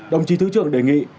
đồng chí thứ trưởng đề nghị